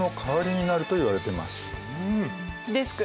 デスク！